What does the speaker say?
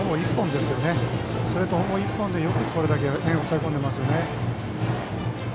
ストレートほぼ１本でよく、それでこれだけ抑え込んでいますよね。